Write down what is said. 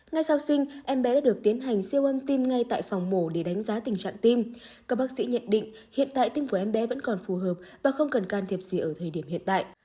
ngay sau sinh em bé đã được tiến hành siêu âm tim ngay tại phòng mổ để đánh giá tình trạng tim các bác sĩ nhận định hiện tại tim của em bé vẫn còn phù hợp và không cần can thiệp gì ở thời điểm hiện tại